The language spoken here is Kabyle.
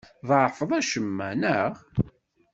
Tḍeɛfeḍ acemma, neɣ?